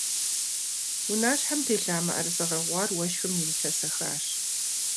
Унащхьэм телъа мыӏэрысэ гъэгъуар уэшхым ирилъэсэхащ.